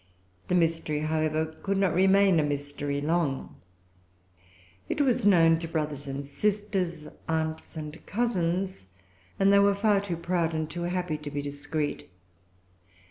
The mystery, however, could not remain a mystery long. It was known to brothers and sisters, aunts and cousins; and they were far too proud and too happy to be discreet.